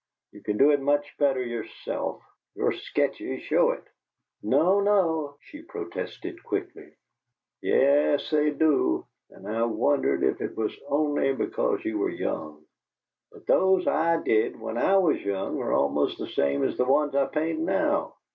You can do it much better yourself your sketches show it." "No, no!" she protested, quickly. "Yes, they do; and I wondered if it was only because you were young. But those I did when I was young are almost the same as the ones I paint now.